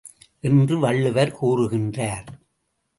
என்று வள்ளுவர் கூறுகின்றார்.